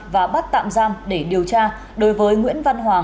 và bắt tạm giam để điều tra đối với nguyễn văn hòa